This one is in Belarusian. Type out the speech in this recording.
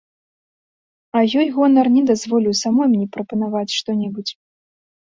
А ёй гонар не дазволіў самой мне прапанаваць што небудзь.